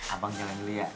abang jangan liat